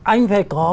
anh phải có